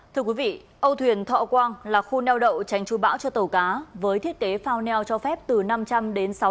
thưa quý vị âu thuyền thọ quang là khu neo đậu tránh chú bão cho tàu cá với thiết kế phao neo cho phép từ năm trăm linh đến sáu mươi